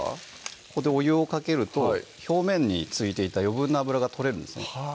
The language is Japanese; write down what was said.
こうやってお湯をかけると表面に付いていた余分な脂が取れるんですね